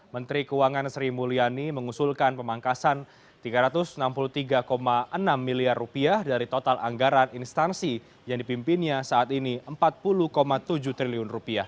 menteri keuangan sri mulyani mengusulkan pemangkasan rp tiga ratus enam puluh tiga enam miliar dari total anggaran instansi yang dipimpinnya saat ini rp empat puluh tujuh triliun